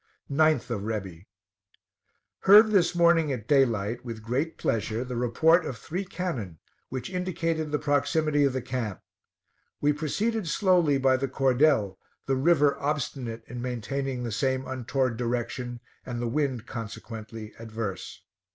9th of Rebi. Heard this morning at day light, with great pleasure, the report of three cannon, which indicated the proximity of the camp. We proceeded slowly by the cordel, the river obstinate in maintaining the same untoward direction, and the wind consequently adverse.